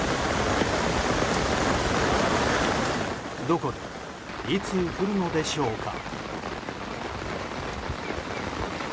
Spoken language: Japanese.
どこで、いつ降るのでしょうか？